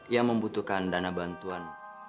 yang membutuhkan dana bantuan